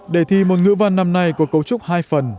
đề thi môn ngữ văn năm nay có cấu trúc hai phần